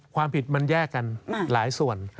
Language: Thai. ความผิดมันแยกกันหลายส่วน